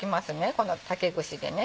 この竹串でね。